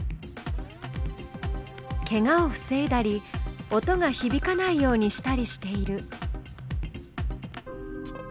ケガを防いだり音がひびかないようにしたりしている。